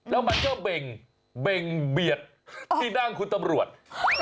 แล้วมันก็เบ่งเบียดที่นั่งคุณตำรวจ